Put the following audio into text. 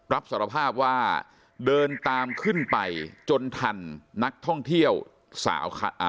รับสารภาพว่าเดินตามขึ้นไปจนทันนักท่องเที่ยวสาวอ่า